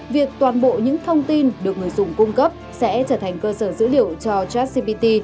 việc toàn bộ những thông tin được người dùng cung cấp sẽ trở thành cơ sở dữ liệu cho jascpt